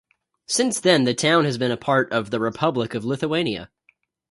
Since then the town has been a part of the Republic of Lithuania.